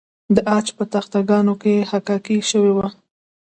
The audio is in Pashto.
د عاج په تخته ګانو کې حکاکي شوې وه